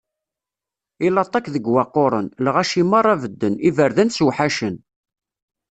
I laṭak deg waqquren, lɣaci merra bedden, iberdan sewḥacen.